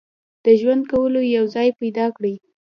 د ژوند کولو یو ځای پیدا کړي.